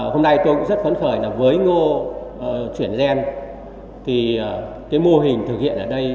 hôm nay tôi cũng rất phấn khởi là với ngô chuyển gen thì cái mô hình thực hiện ở đây